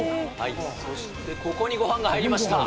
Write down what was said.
そしてここにごはんが入りました。